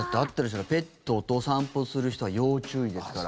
ペットとお散歩する人は要注意ですから。